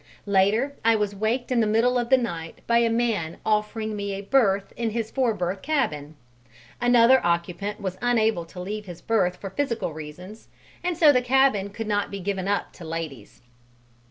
Later I was waked in the middle of the night by a man offering me a berth in his four berth cabin: another occupant was unable to leave his berth for physical reasons, and so the cabin could not be given up to ladies.